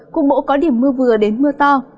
cùng bộ có điểm mưa vừa đến mưa to